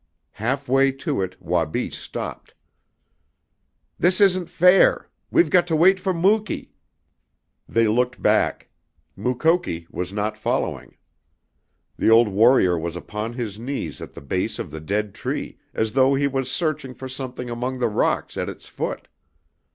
Half way to it Wabi stopped. "This isn't fair. We've got to wait for Muky." They looked back. Mukoki was not following. The old warrior was upon his knees at the base of the dead tree, as though he was searching for something among the rocks at its foot.